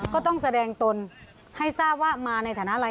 ก็ต้องแสดงตนให้ทราบว่ามาในฐานะอะไร